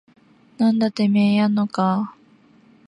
なんだててめぇややんのかぁ